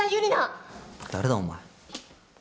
誰だお前。